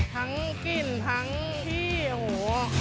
ทั้งกลิ่นทั้งที่โอ้โห